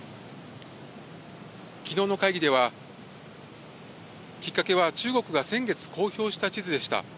きのうの会議では、きっかけは中国が先月、公表した地図でした。